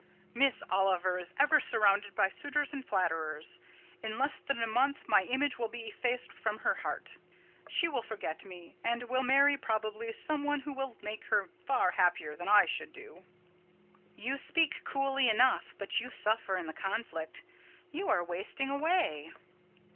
"Miss Oliver is ever surrounded by suitors and flatterers: in less than a month, my image will be effaced from her heart. She will forget me; and will marry, probably, some one who will make her far happier than I should do." "You speak coolly enough; but you suffer in the conflict. You are wasting away."